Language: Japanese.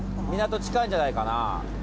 港近いんじゃないかな？